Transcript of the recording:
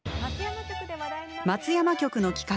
松山局の企画